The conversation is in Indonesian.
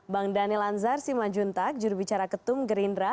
bang dhanil anzar simajuntak jurubicara ketum gerindra